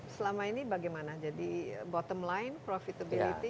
selama ini bagaimana jadi bottom line profitability